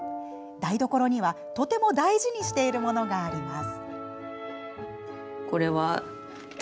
台所には、とても大事にしているものがあります。